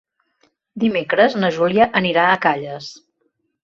Dimecres na Júlia anirà a Calles.